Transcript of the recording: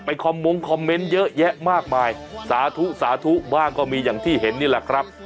คอมมงคอมเมนต์เยอะแยะมากมายสาธุสาธุบ้างก็มีอย่างที่เห็นนี่แหละครับ